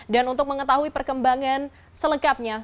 dan untuk mengetahui perkembangan selengkapnya